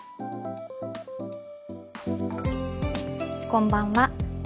こんばんは。